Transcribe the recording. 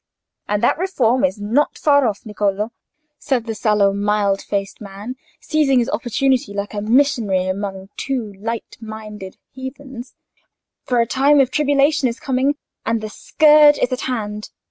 "And that reform is not far off, Niccolò," said the sallow, mild faced man, seizing his opportunity like a missionary among the too light minded heathens; "for a time of tribulation is coming, and the scourge is at hand.